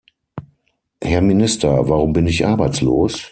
Herr Minister, warum bin ich arbeitslos?